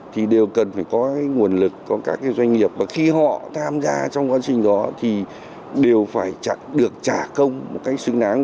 thì đều cần phải có nguồn lực có các doanh nghiệp và khi họ tham gia trong quá trình đó thì đều phải được trả công một cách xứng đáng